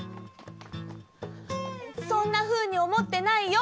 そんなふうにおもってないよ。